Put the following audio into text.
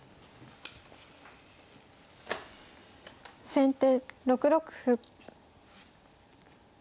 先手６六歩。